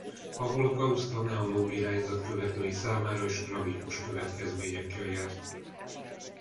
A holokauszt a neológ irányzat követői számára is tragikus következményekkel járt.